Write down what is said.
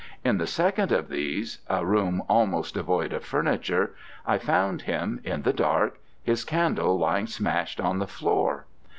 In the second of these a room almost devoid of furniture I found him, in the dark, his candle lying smashed on the floor.